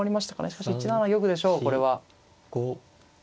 しかし１七玉でしょうこれは。